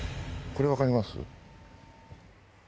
これ分かります？